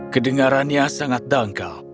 kedengarannya sangat dangkal